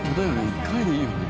１回でいいよね。